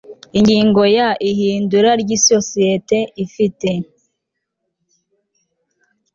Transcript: ingingo ya ihindura ry isosiyete ifite